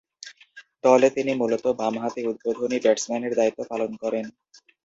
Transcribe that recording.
দলে তিনি মূলতঃ বামহাতি উদ্বোধনী ব্যাটসম্যানের দায়িত্ব পালন করেন।